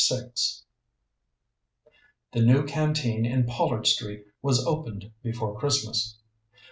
VI The new Canteen in Pollard Street was opened before Christmas.